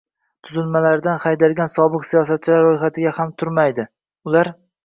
tuzilmalaridan haydalgan sobiq siyosatchilar ro‘yxatida ham turmaydi. Ular